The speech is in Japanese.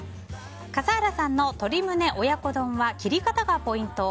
笠原さんの鶏胸親子丼は切り方がポイント。